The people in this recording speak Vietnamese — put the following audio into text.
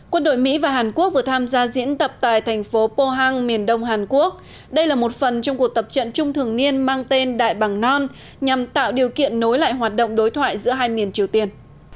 quân đội mỹ và hàn quốc vừa tham gia diễn tập tại thành phố pohang miền đông hàn quốc đây là một phần trong cuộc tập trận chung thường niên mang tên đại bằng non nhằm tạo điều kiện nối lại hoạt động đối thoại giữa hai miền triều tiên